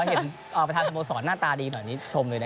ก็เห็นประธาติสมโลสอนหน้าตาดีหน่อยนิดหนึ่งชมเลยนะ